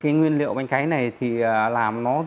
nguyên liệu bánh cấy này làm nó rất là nhỏ